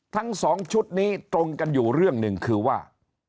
ทั้งสองชุดนี้ตรงกันอยู่เรื่องหนึ่งคือว่า